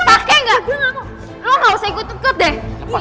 lo gak usah ikut dua deh